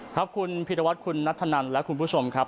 ครับคุณพิรวัตรคุณนัทธนันและคุณผู้ชมครับ